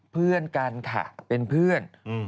เพื่อนกันค่ะเป็นเพื่อน